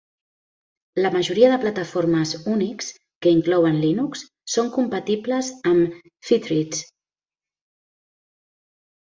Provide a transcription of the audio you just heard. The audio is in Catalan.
La majoria de plataformes Unix que inclouen Linux són compatibles amb Pthreads.